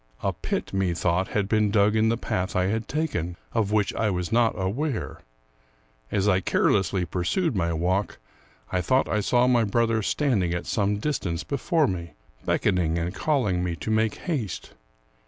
A pit, methought, had been dug in the path I had taken, of which I was not aware. As I carelessly pursued my walk, I thought I saw my brother standing at some distance before me, beckoning and calling me to make haste.